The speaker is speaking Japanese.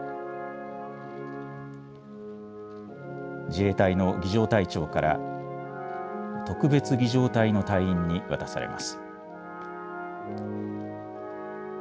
自衛隊の儀じょう隊長から、特別儀じょう隊の隊員に渡されます。